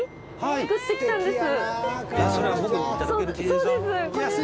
作ってきたんです。